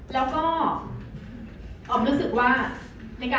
อ๋อแต่มีอีกอย่างนึงค่ะ